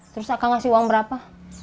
terus akan ngasih uang berapa